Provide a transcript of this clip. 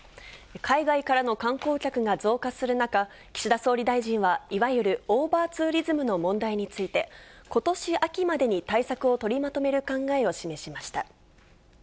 海外からの観光客が増加する中、岸田総理大臣は、いわゆるオーバーツーリズムの問題について、ことし秋までに対策を取りまとめる考えを示しました。